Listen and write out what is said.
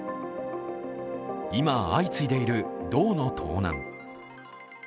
今、相次いでいる銅の盗難。